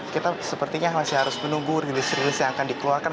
kita sepertinya masih harus menunggu rilis rilis yang akan dikeluarkan